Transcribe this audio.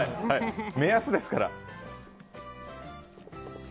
目安ですから。